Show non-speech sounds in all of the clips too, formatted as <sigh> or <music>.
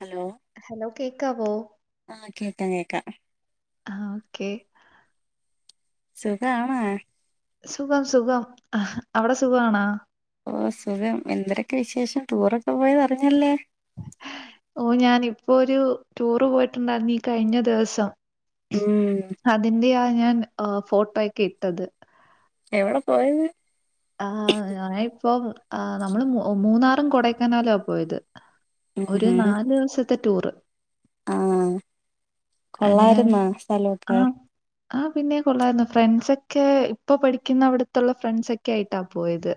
Hello hello കേക്കാവോ ആഹ് കേക്കാ കേക്കാം ആഹ് ഓക്കേ സുഖാണോ സുഖം സുഖം അഹ് അവടെ സുഖാണോ ഓ സുഖം എന്തരൊക്കെ വിശേഷം ടൂറൊക്കെ പോയതറിഞ്ഞല്ലേ ഓ, ഞാനിപ്പോ രു ടൂറ് പോയിട്ട്ണ്ടാര്ന്നു ഈ കഴിഞ്ഞ ദിവസം. ഉം അതിന്റെയാ, ഞാൻ ഫോട്ടോക്കെ ഇട്ടത്. എവടെ പോയത്? ആഹ്, ഞ ഇപ്പൊ, ആഹ്, നമ്മള് മൂന്നാറും കൊടൈക്കനാലുവ പോയത്. ഉം ഒരു, ഹും നാല് വസത്തെ ടൂറ്. ആഹ്, കൊള്ളായിര്ന്നൊ സ്ഥലൊക്കെ? ആഹ്, പിന്നെ കൊള്ളാര്ന്നു. ഫ്രണ്ട്സൊക്കെ ഇപ്പ പഠിക്ക്‌ന്ന അവിടത്തുള്ള ഫ്രണ്ട്സ ക്ക്‌. ക്കെയിട്ടാ പോയത്.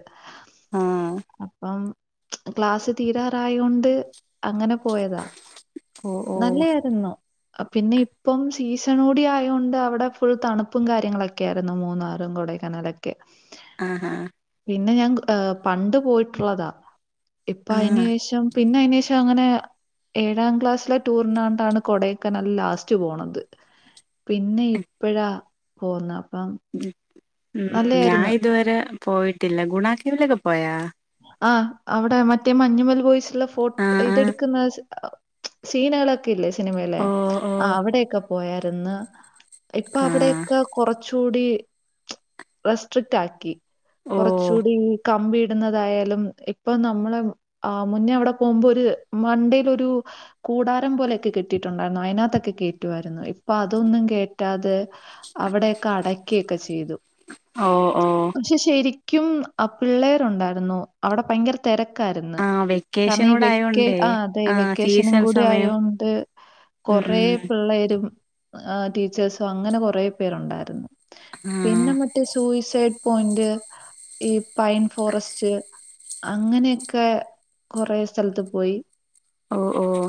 ആഹ് അപ്പം. ക്ലാസ്സ് തീരാറായോണ്ട് അങ്ങന. പോയതാ. ഓ ഓ നല്ലായിര്ന്നു! പിന്നെ, ഇപ്പം സീസണൂടി ആയോണ്ട് അവടെ ഫുൾ തണ്പ്പും കാര്യങ്ങളൊക്കെ ആയിര്ന്നു. മൂന്നാറും കൊടയ് കനലക്കെ. ആഹ്, ആഹ് പിന്നെ, ഞാൻ ഹ്, പണ്ട്പോയിട്ട്ള്ളതാ? ആഹ് ഇപ്പയ്ന് ഏഷം. പിന്നെ, അയ്‌നേഷം അങ്ങനെ. ഏഴാം ക്ലാസ്സിലെ ടൂറിനാണ്ടാണ് കൊടയ് ക്കനാല് ലാസ്റ്റ് പോണത്. പിന്നെ, ഇപ്പഴാ പോന്ന. പ്പം. ഉം, ഞാ ഇതുവരെ പോയിട്ടില്ല. ഗുണ കേവലൊക്കെ പോയാ. ആഹ്, അവിടെ മറ്റേ മഞ്ഞുമൽ ബോയ്സ്ള്ള ഫോ ആഹ് ആഹ് ഇതെടുക്കുന്ന. ആ സീനകളൊക്കെ ഇല്ലേ? സിനിമയിലെ ഓ ഓ ആഹ്, അവിടെക്കെ പോയര്ന്ന്? ഇപ്പൊ, ആഹ് അവിടെക്ക കൊറചൂടി റെസ്ട്രിക്ട് ആക്കി. ഓ കൊറച്ചുടി കമ്പി ടുന്നതായാലും. ഇപ്പൊ നമ്മള് ആഹ്, മുന്നേ, അവിടെ പോകുമ്പോ ഒരു മണ്ടെ ലൊരു. കൂടാരം പോലെക്കെ കെട്ടിയിട്ടുണ്ടായിരുന്നു. അതിനകത്തൊക്കെ കേറ്റുവായിരുന്നു. ഇപ്പൊ അതൊന്നും കേറ്റാതെ. അവിടെക്ക അടക്കെ കെ ചെയ്തു. ഓ, ഓ പക്ഷെ, ഷെരിക്കും ആഹ്, പിള്ളേരുണ്ടായിരുന്നു. അവിടെ, ഭയങ്കര തെരക്കായിരുന്നു. ആഹ് കാരണം. ഈ വെക്കേഷനൂടെ വെക്ക ആയോണ്ടേ ആഹ്, അതെ, വെക്കേഷനും സീസൺ കൂടി സമയം ആയോണ്ട്. ഉം കൊറേ, പിള്ളേരും ആഹ്, ടീച്ചേഴ്സും അങ്ങനെ കൊറ പേരുണ്ടായിരുന്നു. ഉം പിന്നെ. മറ്റെ, സൂഇ സൈഡ പോയിന്റ് ഈ പൈൻ ഫോറസ്റ്റ്, അങ്ങനെയൊക്കെ, കൊറേ സ്ഥൽത്ത് പോയി. ഓഹ്, ഓഹ്,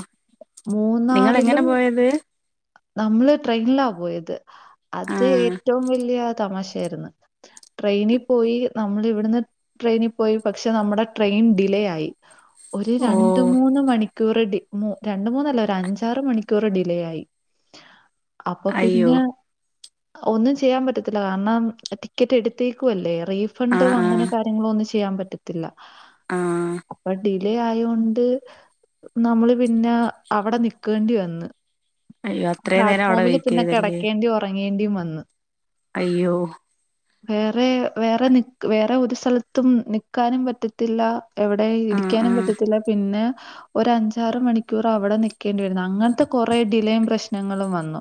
നിങ്ങളെങ്ങനെ മൂന്നാറിലും പോയത്? നമ്മള് ട്രെയിനിലാ പോയത് ആ അത് ഏറ്റവും വലിയ തമാശായിരുന്നു ട്രെയിനി പോയി. നമ്മള് ഇവിടുന്ന്. ട്രെയിനി പോയി പക്ഷെ, നമ്മുടെ ട്രെയിൻ ഡിലേ ആയി. ഒരു ഓ രണ്ട്, മൂന്ന്, മണിക്കൂറ്. ഡി രണ്ട്, മൂന്നല്ല ഒരു അഞ്ചാറ്, മണിക്കൂറ് ഡിലേ ആയി. അപ്പൊ പിന്ന. അയ്യോ ഒന്നും ചെയ്യാൻ പറ്റത്തില്ല. കാരണം, ടിക്കറ്റ് എടുത്തേക്കു വല്ലേ? ആ റീഫണ്ട് ആ അങ്ങനെ കാര്യങ്ങളോന്നും ചെയ്യാൻ പറ്റത്തില്ല. ആ അപ്പണ്ടി.. ഡിലെ, ആയൊണ്ട് നമ്മള് പിന്നെ, അവടെ നിക്കേണ്ടി വന്ന്. അയ്യോ അത്രയും നേരം അവിടെ പ്ലാറ്റ്ഫോമില്. വെയിറ്റ് പിന്നെ, ചെയ്തല്ലേ കെടക്കേണ്ടിം, ഒ റങ്ങേണ്ടിം വന്ന്. അയ്യോ? വേറെ, വേറെ, നിക് വേറെ, ഒരു സ്ഥലത്തും നിക്കാനും പറ്റത്തില്ല. എവടെ ആ ആ ഇരിക്കാനും പറ്റ... റ്റത്തില്ല. പിന്നെ, ഒരഞ്ചാറ് മണിക്കൂർ അവിടെ നിക്കേണ്ടി വരുന്നു. അങ്ങനത്തെ കുറെ ഡിലയും പ്രശ്ന.. നങ്ങളും വന്നു.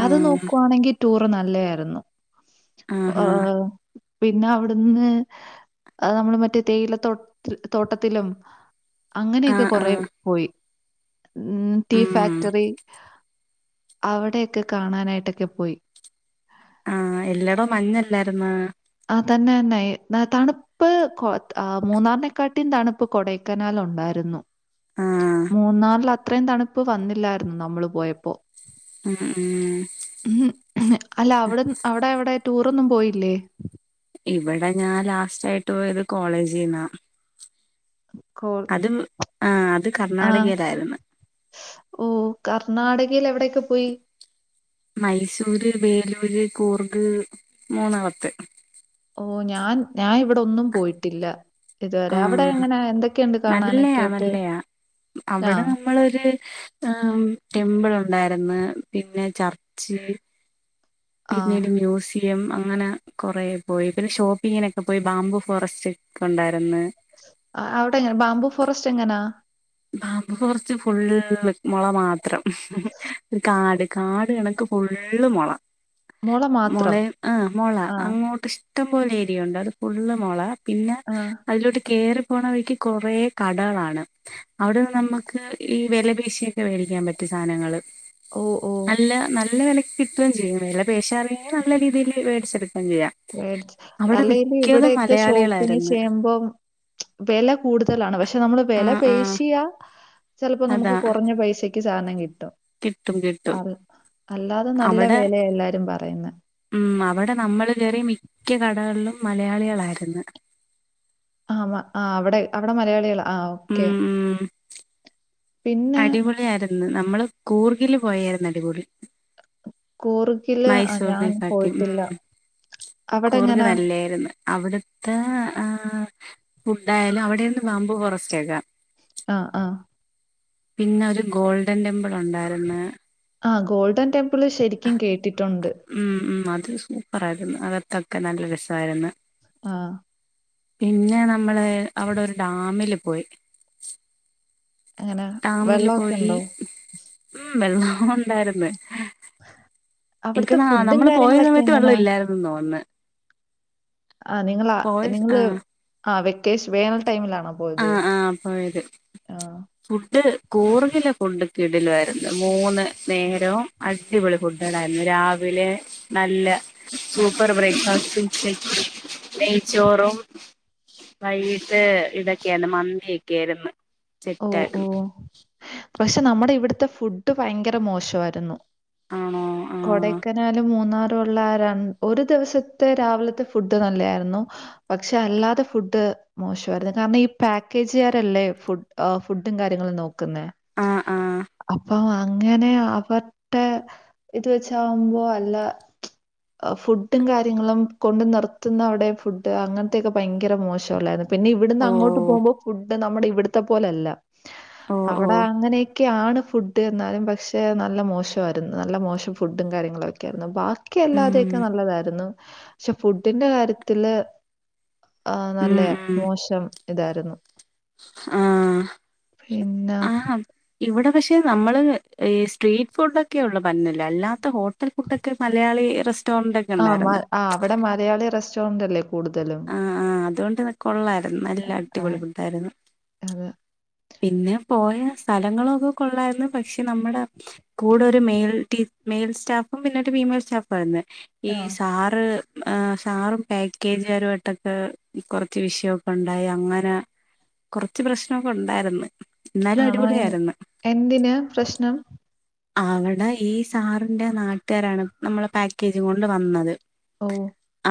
ആ നോക്കുവാ ണെങ്കി. ടൂറ്, നല്ലേയിരുന്നു. ആഹാ ആഹ് പിന്നെ, അവിടുന്ന് നമ്മള് മറ്റേ, തേയിലത്തോ തോട്ടത്തിലും. ആ അങ്ങനെക്കെ ആ ആ കൊറെ പോയി. ഉം, ടീ ഉം ഫാക്ടറി. അവിടെക്കെ കാണാനായിട്ടൊക്കെ പോയി ആഹ്എല്ലോട മഞ്ഞല്ലായിരു ന്ന് ആ തന്നെ തന്നെ തണു പ്പ് കൊ മൂന്നാറിനെക്കാട്ട തണുപ്പ് കൊടൈക്കനാൽ ഉണ്ടായിരുന്നു ആ മൂന്നാറില് അത്രയും തണുപ്പ് വന്നില്ലായിരുന്നു നമ്മള് പോയപ്പോ. ഉം ഉം ഉം അല്ല അവിടെ അവിടെ എവിടെ ടൂറൊന്നും പോയില്ലേ ഇവിടെ ഞാൻ ലാസറ്റായിട്ട് പോയത് കോളേജ്ന്നാ കോ അതും ആ അത് കർണാടകയിലായിരുന്നു ഓ കർണാടകയിൽ എവിടെയൊക്കെ പോയി മൈസൂര് വേലൂര് കൂർഗ് മൂന്നമത്തെ ഓ ഞാൻ ഞാൻ ഇവിടെ ഒന്നും പോയിട്ടില്ല ഇതുവരെ ആ അവിടെ എങ്ങനെ എന്തൊ നല്ലയാ നല്ലയാ ആ, അവിടെ നമ്മളൊരു ടെമ്പിൾ ഉണ്ടായിരുന്നു പിന്നെ ചർച്ച് ആ. പിന്നീട് മ്യൂസ് യംഅങ്ങനെ കൊറേ പോയി പിന്നെ ഷോപ്പിങ്ങിനൊക്കെ പോയി ബാം ബു ഫോറസ്റ്റ് ഒക്കെ ഉണ്ടായിരുന്നു ആ അവിടെ എങ്ങനെ ബാംബു ഫോറസ്റ്റ് എങ്ങനാ ബാംബു ഫോറെസ്റ്റ് ഫുള് മുള മാത്രം കാട് കാട് കണക്ക് ഫുള്ള് മുള മോളെ മുള മാത്രം? ആ് മുള ആ, അങ്ങോട്ട്ഷ ഇട്ടം പോലെ ഏരിയുണ്ട് അത് ഫുള്ള് മൊള പിന്നെ ആ. അതിലോട്ട് കയറി പോണ വഴിക്ക് കൊറെ കടകളാണ് അവിടെ നമ്മുക്ക് ഈ വില പീശിയൊക്കെ മേടിക്കാൻ പറ്റും സാധനങ്ങൾ ഓ, ഓ. നല്ല നല്ല വലക്ക് കിട്ടുകയും ചെയ്യും വല പേശാണെങ്കിൽ നല്ല രീതിയിൽ മേടിച്ചെടുക്കുകയും ചെയ്യാം അവിടെ മേടിച്ച്അല്ലെങ്കല് മിക്കതും ഇവിടെക്കെ ഷോപ്പിങ് മലയാളികളായിരുന്നു ചെയ്യുമ്പം വില കൂടുതലാണ് പക്ഷെ നമ്മള് വില ആഹ് ആഹ് പേശിയാ ചിലപ്പോ നമുക്ക് അതാ കുറഞ്ഞ പൈസക്ക് സാധനം കിട്ടും കിട്ടും കിട്ടും അത് അല്ലാതെ നല്ല അവിടെ വിലയ എല്ലാരും പറയുന്ന ഉം അവിടെ നമ്മൾ കേയറി മിക്ക കടകളിലും മലയാളികളായിരുന്നു ആഹ് ആഹ് അവിടെ അവിടെ മലയാളികൾ ആ ക്കെ ഉം അടിപൊളി ആയിരുന്നു നമ്മള് കൂർഗില് പോയായിരുന്നു അടിപൊളി കൂർഗിൽ ഞാൻ പോയിട്ടില്ല കൂർഗ്‌ അവിടെങ്ങനാ? നല്ലായിരുന്നു അവിടുത്തെ ആഹ് ഫുഡായാലും അവിടെന്ന് ബാമ്പു ഫോറസ്റ്റ് ആക്കാം ആ ഹ്ആഹ് പിന്നെ ഒരു ഗോൾഡൻ ടെമ്പിൾ ഉണ്ടായിരുന്നു ആ ഗോൾഡൻ ടെമ്പിള് ശരിക്കും കേട്ടിട്ടുണ്ട് ഉം ഉം അത് സൂപ്പർ ആയിരുന്നു അകത്തൊക്കെ നല്ല രസമായിരുന്നു ആഹ് പിന്നെ നമ്മള് അവിടെ ഒരു ഡാമില് പോയി എങ്ങനാ ടാമില് വെള്ളൊക്കെ പോയി ഉണ്ടോ? ഉ വെള്ള ഉണ്ടായിരുന്നു ആ <unintelligible> എനിക്കന്നാ നമ്മള് പോയ സമയത്ത് വെള്ളം ഇല്ലായിരുന്നു തോന്നന്ന് ആ നിങ്ങളാ നിങ്ങള് ആ വെക്കേഷ വേനൽ ടൈമിലാണോ പോയത് ആഹ് ആഹ് പോയത് ആഹ് ഫുഡ് കൂർഗിലെ ഫുഡ് കിടിലാ യിരുന്നു മൂന്ന് നേരവും അടിപൊളി ഫുഡ് രാവിലെ നല്ല സൂപ്പർ ബ്രേക്ക്ഫാസ്റ്റ് ഉച്ചക്ക് നെയ്ച്ചോറും വൈകീട്ട് ഇതൊക്കെയായിരുന്നു മന്തിയൊക്കൊയായിരുന്നു ഓ ഓ പക്ഷെ നമ്മുടെ ഇവിടുത്തെ ഫുഡ് ഭയങ്കര മോശമായിരുന്നു ആണോ ആഹ് കൊടക്കനാല മൂന്നാറള്ള ഒരു ദിവസത്തെ രാവിലത്തെ ഫുഡ് നല്ലതായിരുന്നു പക്ഷെ അല്ലാതെ ഫുഡ് മോശമായിരുന്നു കാരണം ഈ പാക്കേജുകാരല്ലേ ഫുഡ് ആഫുഡും കാര്യങ്ങളും നോക്കുന്ന ആഹ് ആഹ് അപ്പം അങ്ങനെ അവരുടെ ഇത് വെച്ചാവുമ്പോ അല്ല ഫുഡും കാര്യങ്ങളും കൊണ്ട് നിർത്തുന്ന അവിടെ ഫുഡ് അങ്ങനത്തെക്കെ ഭയങ്കര മോശമല്ലായിരുന്നു പിന്നെ ഇവിടുന്ന് ഓ അങ്ങോട്ട് പോകുമ്പോ ഫുഡ് നമ്മുടെ ഇവിടത്തെ പോലെല്ല ഓ ഓ അവിടെ അപ്പ അങ്ങനെയൊക്കെയ ആാണ് ഫുഡ് എന്നാലും പക്ഷെ നല്ല മോശമായിരുന്നു നല്ല മോശം ഫുഡും കാര്യങ്ങളൊക്കെ ബാക്കി ഉം അല്ലാതെയൊക്കെ നല്ലതായിരുന്നു പക്ഷെ ഫുഡിന്റെ കാര്യത്തില് ആഹ ഉം നല്ല ഉം മോശം ഇതായിരുന്നു ആഹ് പിന്നെ ആ ഇവടെ പക്ഷെ നമ്മള് ഈ സ്ട്രീറ്റ് ഫുഡ് ഒക്കെ ഉള്ള പഞ്ഞില്ല അല്ലാത്ത ഹോട്ടൽ ഫുഡ്ഒ ക്കെ മലയാളി റെസ് ആഹ് മ ആഹ് അവടെ മലയാളി റെസ്റ്റോറന്റ്ല്ലെ? ആഹ് ആഹ് അതോണ്ട് കൊള്ളായിരുന്നു. നല്ല അടിപൊളി ഫുഡായിരുന്നു. അതെ. പിന്നെ പോയെ സ്ഥലങ്ങളൊക്കെ കൊള്ളായിര്ന്ന് പശെ നമ്മട- കൂടെ ഒര് മെയിൽ ടീ മെയിൽ സ്റ്റാഫും പിന്നെ ഒര് ഫീമെയിൽ സ്റ്റാഫും ആയിര്ന്നെ, ഈ ആ സാറ് സാറും പാക്കേജ്- രുമായിട്ടൊക്കെ കൊറച്ച് വിഷയൊക്കെണ്ടായി അങ്ങനെ കൊറച്ച് പ്രേശ്നൊക്കൊണ്ടായിര്ന്ന്. ആണോ എ എന്തിന് പ്രശ്നം? അവടെ ഈ സാറ്ന്റെ നാട്ട്ആരാണ് നമ്മളെ പാക്കേജ് കൊണ്ട് വന്നത്. ഓഹ്.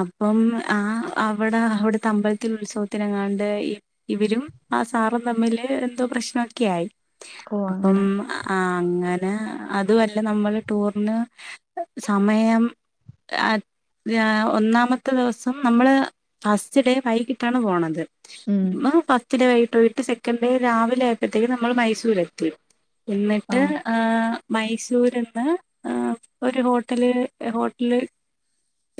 അപ്പം ആ അവടെ അവട്ത്തെ അമ്പലത്തില് ഉത്സവത്തിനെങ്ങാണ്ട് ഈ ഇവരും ആ സാറും തമ്മില് എന്തോ പ്രെശ്നൊക്കായി. ഓ ആ അങ്ങനെ അങ്ങനെ അതുംഅല്ല നമ്മള് ടൂർന് സമയം - അത് ആ ഒന്നാമത്തെ ദിവസം നമ്മള്, ഫസ്റ്റ് ഡേ വൈകിട്ടാണ് പോണത്. ഉം ഫ ഫസ്റ്റ് ഡേ വൈകിട്ടോയിട്ട് സെക്കന്റ്‌ ഡേ രാവിലെ ആയപ്പോത്തേക്കും നമ്മള് മൈസൂരെത്തി. എന്നിട്ട് ആഹ് മൈസൂര്ന്ന് ആ.. ഒര് ഹോട്ടല് ഹോട്ടല്-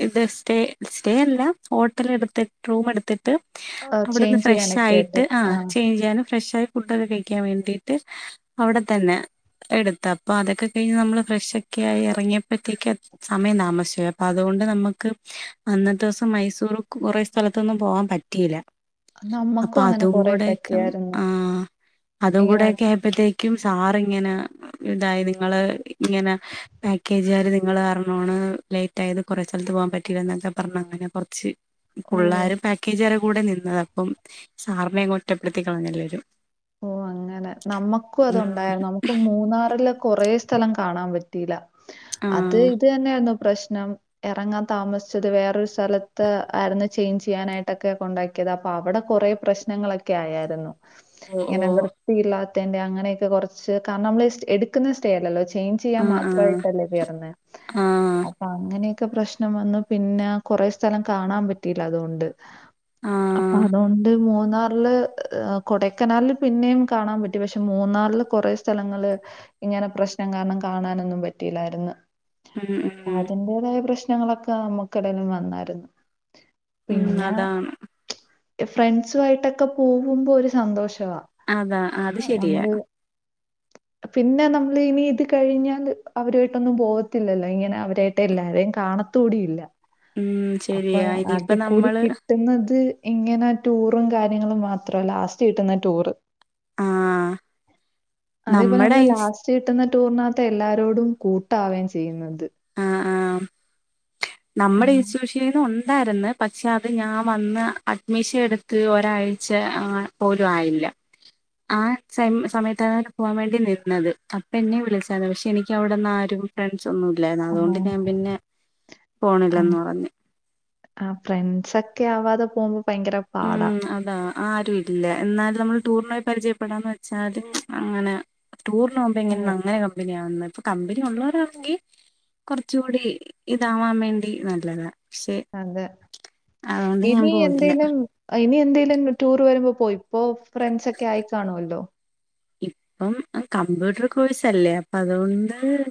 ഇവ്ടെ സ്റ്റേ സ്റ്റേ അല്ല ഹോ- ത്രെ എട്ത്ത് റൂമെട്ത്ത്ട്ട് ആ അവിടന്ന് ചേഞ്ച് ചെയ്യാനൊക്കെ ആയിട്ട് ഫ്രെശായിട്ട്, ആ ആഹ് ചെയ്ഞ്ച്ചെയ്യാനും ഫ്രശാ- ഫുഡൊക്കെ കഴിക്കാൻവേണ്ടീട്ട് അവടതന്നെ- എട്ത്ത് അപ്പൊ അതൊക്കെ കയിഞ്ഞ് നമ്മള് ഫ്രെഷൊക്കെ ആയി എറങ്യേപ്പത്തേക്കും ആണ് സമയം താമസിച്ച്പോയി അപ്പൊ അതുകൊണ്ട് നമ്മക്ക് അന്നത്തെ ദിവസം മയിസൂറ് - കൊറേ സ്ഥലത്തൊന്നും പോവാം പറ്റീല. അപ്പൊ നമ്മക്കും അങ്ങനെ അതും കുറെ പറ്റിയായിരുന്നു കൂടെക്കെ'ആഹ് ഇങ്ങനെ അതുംകൂടെക്കായ- അപ്പത്തേക്കും സാറ്ങ്ങനെ - ഇതായി നിങ്ങള് ഇങ്ങനെ പാക്കേജ്കാര് നിങ്ങള് കാരണോംആണ് ലേ - ഏതോ കൊറേ സെലത്ത് പോവാൻ പറ്റീലന്നൽത്തെ പറഞ്ഞ് അങ്ങനെ കൊറച്ച് ഓ പുള്ളാര് പാക്കേജ് വരെ കൂടെ നിന്നത്. അപ്പം സാറ്നെ അങ്ങോട്ട് ഒറ്റപ്പെട്ത്തിക്കളഞ്ഞെല്ലാരും. ഓഹ് അങ്ങനെ നമ്മക്കും അതൊണ്ടായ്ര്ന്നു. നമുക്ക് മൂന്നാറിലെ കൊറേ സ്ഥലം കാണാൻ പ- റ്റീല. ആ അത് ഇത് തന്നേയ്ര്ന്നു പ്രെശ്നം. എറങ്ങാം താമസിച്ചത് വേറൊര് സ്ഥലത്ത് ആടന്ന് ചേഞ്ച്‌ ചെയ്യാനൊക്കെ കൊണ്ടാ-. ക്ക്യേത്. അപ്പവടെ കൊറേ പ്രെശ്നങ്ങളൊക്കായാര്ന്നു. ഓ ഇങ്ങനെ ഓ വൃത്തിയില്ലാത്തേന്റെ അങ്ങനെക്കെ കൊറച്ച്, കാരണംഅമ്മള് സ് എടുക്കുന്ന സ്റ്റേ അല്ലല്ലോ ചേ- ആ ചെയ്യാൻ ആ മാത്രായിട്ടല്ലെ കേറുന്നെ. ആ അപ്പൊ അങ്ങനെയൊക്കെ പ്രശ്നം വന്നു പിന്നെ കൊറെ സ്ഥലം കാണാൻ പറ്റിയില്ല അതുകൊണ്ട്. ആ അപ്പൊ അതോണ്ട് മൂന്നാറില് കൊടക്കനാല്- പിന്നെയും കാണാൻ പറ്റും പക്ഷെ മൂന്നാറില് കൊറേ സ്ഥലങ്ങള്- ഇങ്ങനെ പ്രശ്നം കാരണം കാണാനൊന്നും പറ്റിയില്ലാര്ന്ന്. ഉം ഉം അതിന്റേതായ പ്രശ്നങ്ങളൊക്കെ നമ്മക്കിടയിലും വന്നാരുന്നു. ഉം പിന്നെ അതാണ് ഫ്രണ്ട്സുയിട്ടൊക്കെ പോവുമ്പോ ഒരു സന്തോഷവാ അതാ അത് ആഹ് ശരിയാ നമ്മള് പിന്നെ നമ്മള് ഇനി ഇത് കഴിഞ്ഞാല് അവരുയിട്ടൊന്നും പോകത്തില്ലല്ലോ ഇങ്ങനെ അവരായിട്ട് എല്ലാരേം കാണ- ത്തൂടിയില്ല ഉം അപ്പൊ ശരിയാ ഇനിയിപ്പ ആകെക്കൂടി നമ്മള് കി - ത് ന്നത് ഇങ്ങനെ ടൂറും കാര്യങ്ങളും മാത്രയല്ല ലാസ്റ്റ് കിട്ടുന്ന ടൂറ്. ആ അതേപോലെ നമ്മടെ നമ്മക്ക് ലാസ്റ്റ് കിട്ടുന്ന ടൂറിനകത്താ എല്ലാരോടും കൂട്ടാവേം ചെയ്യ്ന്നത്. ആഹ് ആഹ് നമ്മടെ ഇൻസ്‌ട്യൂഷൻ - ന്റെലും ഒണ്ടാര്ന്ന് പക്ഷെ അത് ഞാൻ വന്ന് അഡ്മിഷൻ എടുത്ത് ഒരാഴ്ച ആഹ്- പോലും ആയില്ല ആഹ് സെമ്മ് സമയത്താണ് പോകാൻ വേണ്ടി നിന്നത് അപ്പ എന്നെ വിളിച്ചാരുന്ന് പക്ഷെ എനിക്ക് അവിടെന്ന് ആരും- ഫ്രണ്ട്സ് ഒന്നും ഇല്ലാരുന്നു അതുകൊണ്ട് ഞാൻ അങ്ങനെ പിന്നെ പോണില്ലന്ന് പറഞ്ഞ് ആഹ് ഫ്രണ്ട്സ് ഒക്കെ ആവാതെ പോകുമ്പോ ഭയങ്കര- പാടാ. ഉം അതാ ആരുയില്ല എന്നാലും നമ്മൾ ടൂറിന്പോയി പരിചയപ്പെടാന്ന് വെച്ചാലും അങ്ങനെ- ടൂറിന് പോവുമ്പോ ഉം. എങ്ങനെ അങ്ങനെ കമ്പനിയാകുന്നെ ഇപ്പൊ കമ്പനി ഒള്ളോരാണെങ്കി- കൊറച്ചൂടി ഇതാവാംമേണ്ടി നല്ലതാ. പക്ഷെ അതെ അതുകൊണ്ട് ഞാൻ ഇനി പോയില്ല എന്തേലും- ഇനി എന്തേലും ടൂറ് വരുമ്പോ പോയി ഇപ്പോ ഫ്രണ്ട്സ് ഒക്കെ ആയിക്കാണുവല്ലോ ഇപ്പം ആഹ് കമ്പ്യൂട്ടർ കോഴ്സല്ലേ അപ്പ അതുകൊണ്ട്-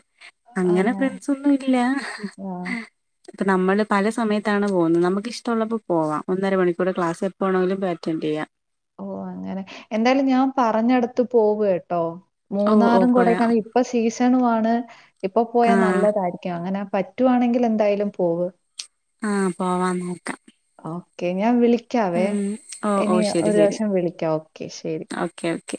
അങ്ങനെ ഫ്രണ്ട്സൊന്നും ഇല്ല ആഹ്. ഇപ്പം നമ്മള് പല സമയത്താണ് പോകുന്നത് നമുക്ക് ഇഷ്ടോള്ളപ്പോ പോകാം ഒന്നരണിക്കൂറ് ക്ലാസ് എപ്പോവേണെങ്കിലും പോയ്‌ അറ്റന്റ് ചെയ്യാം ഓഹ് അങ്ങനെ എന്തായാലും ഞാൻ പറഞ്ഞടുത്ത് പോകു കേട്ടോ ഓ ഓ മൂന്നാറും പോയാ കൊടെക്കനാലും ഇപ്പ സീസണു ആണ് ഇപ്പൊ പോയാ ആ നല്ലതാരിക്കും അങ്ങനെ പറ്റ് പറ്റുവാണെങ്കിൽ എന്തായാലും പോവും ആഹ് പോവാൻ നോക്കാം ഓക്കെ ഞാൻ വിളിക്കാവേ ഉം ഓ ഓ ഇനി ശരി ഒരു ശരി പ്രാവശ്യം വിളിക്കാം ഓക്കെ ശരി ഓക്കെ ഓക്കെ